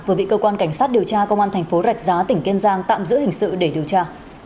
vừa bị cơ quan cảnh sát điều tra công an thành phố rạch giá tỉnh kiên giang tạm giữ hình sự để điều tra